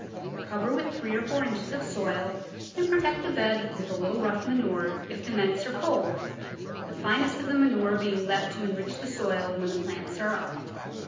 Cover with three or four inches of soil and pro tect the bed with a little rough manure if the nights are cold, the finest of the manure being left to enrich the soil when the plants are up.